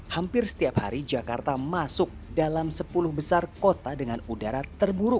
hampir setiap hari jakarta masuk dalam sepuluh besar kota dengan udara terburuk